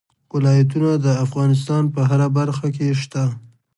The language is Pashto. ولایتونه د افغانستان په هره برخه کې شته.